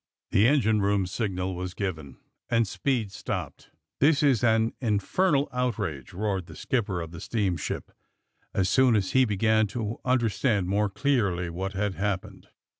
The engine room signal was given, and speed stopped. * '^This is an infernal outrage !'' roared the skipper of the steamship as soon as he began to understand more clearly what had happened.